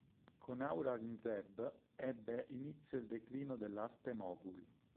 Con Aurangzeb ebbe inizio il declino dell'arte moghul.